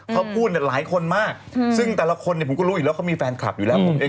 เขาพูดหลายคนมากซึ่งแต่ละคนผมก็รู้อีกแล้วเขามีแฟนคลับอยู่แล้ว